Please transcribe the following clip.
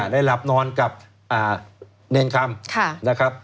ได้หลับนอนกับเนรคัม